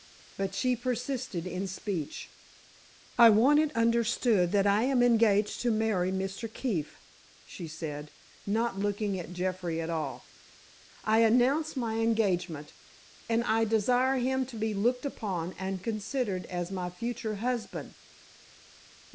But she persisted in speech. "I want it understood that I am engaged to marry Mr. Keefe," she said, not looking at Jeffrey at all. "I announce my engagement, and I desire him to be looked upon and considered as my future husband."